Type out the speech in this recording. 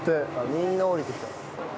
みんな降りてきた。